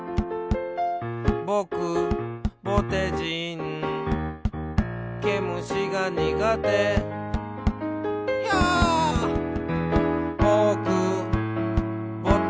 「ぼくぼてじん」「けむしがにがて」「ひゃっ」「ぼくぼてじん」